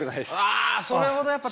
あそれほどやっぱ大変。